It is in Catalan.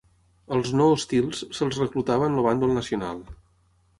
Als no hostils se'ls reclutava en el bàndol nacional.